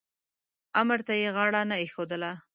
امر ته یې غاړه نه ایښودله.